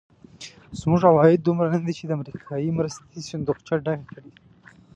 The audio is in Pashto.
زموږ عواید دومره ندي چې د امریکایي مرستې صندوقچه ډکه کړي.